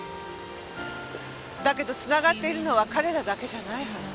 だけどつながっているのは彼らだけじゃないはず。